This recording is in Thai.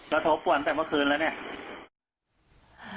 โทรป่วนแต่เมื่อคืนแล้วเนี่ย